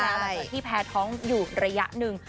หลังจากที่แพ้ท้องอยู่ระยะหนึ่ง